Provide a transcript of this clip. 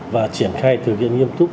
và triển khai thực hiện nghiêm túc